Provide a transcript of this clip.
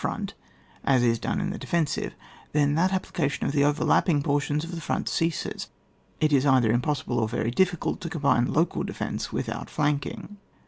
front (as is done in the defensive), then that application of the overlapping por tions of the front ceases ; it is either im possible, or very difficult, to combine local defence with outflanking.